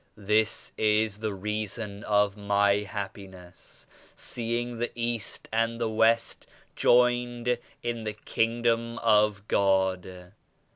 This is the reason of my happiness, seeing the East and the West joined in the Kingdom of God.